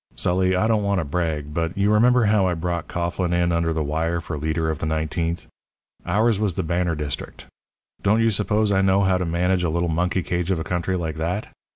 Sully, I don't want to brag, but you remember how I brought Coughlin under the wire for leader of the nineteenth? Ours was the banner district. Don't you suppose I know how to manage a little monkey cage of a country like that?